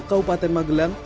kau paten magelang